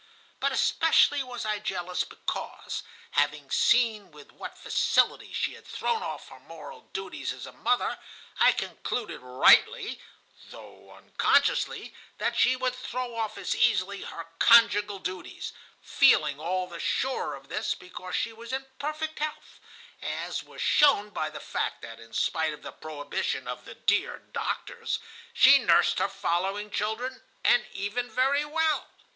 But especially was I jealous because, having seen with what facility she had thrown off her moral duties as a mother, I concluded rightly, though unconsciously, that she would throw off as easily her conjugal duties, feeling all the surer of this because she was in perfect health, as was shown by the fact that, in spite of the prohibition of the dear doctors, she nursed her following children, and even very well."